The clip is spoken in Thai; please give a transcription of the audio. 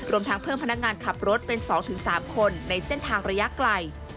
รวมทั้งเพิ่มพนักงานขับรถเป็น๒๓คนในเส้นทางระยะไกล